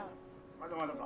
まだまだか。